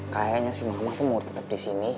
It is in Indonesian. kayaknya si mama tuh mau tetep disini